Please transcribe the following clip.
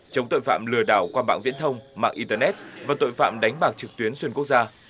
chống tội phạm lừa đảo qua mạng viễn thông mạng internet và tội phạm đánh bạc trực tuyến xuyên quốc gia